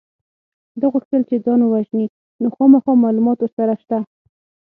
ده غوښتل چې ځان ووژني نو خامخا معلومات ورسره شته